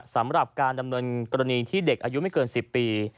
สำหรับการดำเนินกรณีที่เด็กอายุไม่เกิน๑๐ปี